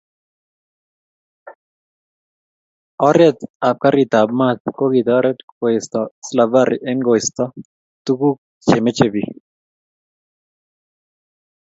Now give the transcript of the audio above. Oret ab karit ab mat ko kitartet koesto slavari, eng koisto tukuk chemeche bik.